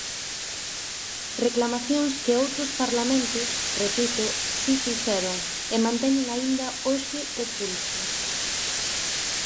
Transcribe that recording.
Reclamacións que outros parlamentos –repito– si fixeron, e manteñen aínda hoxe o pulso.